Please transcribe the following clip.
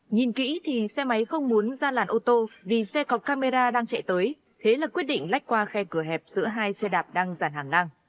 nhìn kỹ thì xe máy không muốn ra làn ô tô vì xe cọc camera đang chạy tới thế là quyết định lách qua khe cửa hẹp giữa hai xe đạp đang dàn hàng ngang